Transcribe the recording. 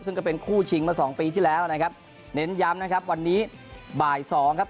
ซึ่งก็เป็นคู่ชิงมาสองปีที่แล้วนะครับเน้นย้ำนะครับวันนี้บ่ายสองครับ